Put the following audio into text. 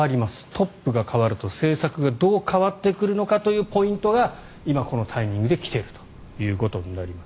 トップが代わると政策がどう変わってくるのかというポイントが今、このタイミングで来ているということになります。